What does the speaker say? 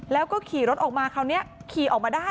แล้วก็ขี่รถออกมาคราวนี้ขี่ออกมาได้